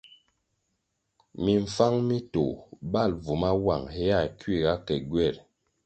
Mimfáng mi tôh bal bvu mawuang héa kuiga ke gyweri.